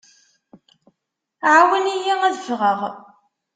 Ɛawen-iyi ad ffɣeɣ.